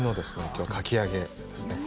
きょうはかき揚げですね。